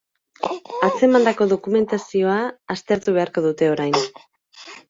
Atzemandako dokumentazioa aztertu beharko dute orain.